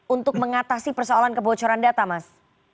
untuk mengatasi persoalan kebocoran data mas